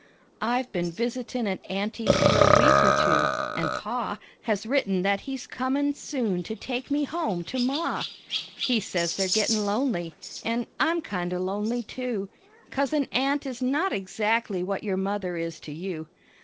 I've been visitin' at aunty's for a week or two, an' Pa Has written that he's comin' soon to take me home to Ma. He says they're gettin' lonely, an' I'm kind o' lonely, too, Coz an aunt is not exactly what your mother is to you.